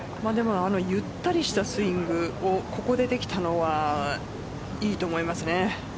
ゆったりしたスイングをここでできたのはいいと思いますね。